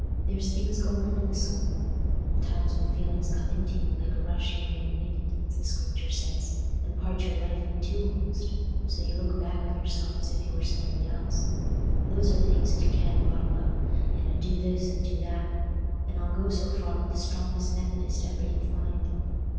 There's things go on in the soul, and times when feelings come into you like a rushing mighty wind, as the Scripture says, and part your life in two a'most, so you look back on yourself as if you was somebody else. Those are things as you can't bottle up in a 'do this' and 'do that'; and I'll go so far with the strongest Methodist ever you'll find.